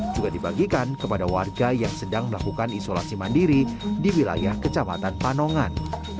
juga dibagikan kepada warga yang sedang melakukan isolasi mandiri di wilayah kecamatan panongan